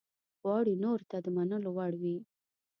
غواړي نورو ته د منلو وړ وي.